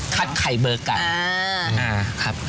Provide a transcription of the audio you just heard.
คัดไข่เบอร์กัน